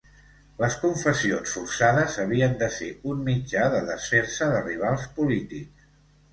Les confessions forçades havien de ser un mitjà de desfer-se de rivals polítics.